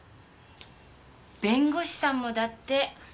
弁護士さんもだって。